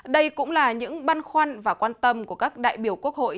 đây cũng là những băn khoăn và quan tâm của các đại biểu quốc hội